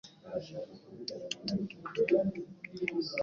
Ahubwo barishimagije ko aribo bamwigishije,